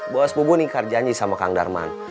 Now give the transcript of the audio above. bos bu bun ingkar janji sama kang darman